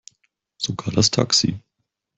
Sogar das Taxi.